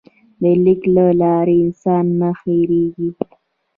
د لیک له لارې انسان نه هېرېږي.